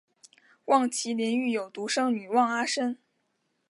望麒麟育有独生女望阿参。